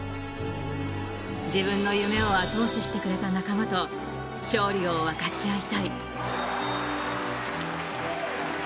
自分の夢を後押ししてくれた仲間と勝利を分かち合いたい。